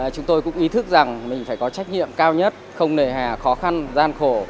chúng tôi cũng ý thức rằng mình phải có trách nhiệm cao nhất không nề hà khó khăn gian khổ